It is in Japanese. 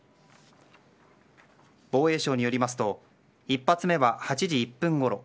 防衛省によりますと１発目は８時１分ごろ